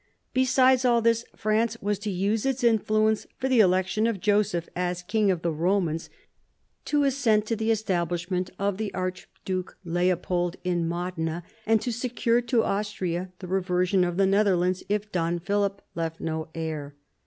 Besides all this, France was to use its influence for the election of Joseph as King of the Romans, to assent to 132 MARIA THERESA chap, vi the establishment of the Archduke Leopold in Modena, and to secure to Austria the reversion of the Nether lands if Don Philip left no heir.